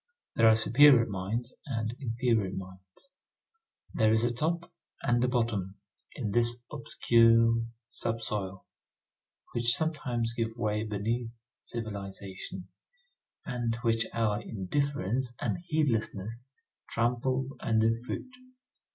There are superior mines and inferior mines. There is a top and a bottom in this obscure sub soil, which sometimes gives way beneath civilization, and which our indifference and heedlessness trample under foot.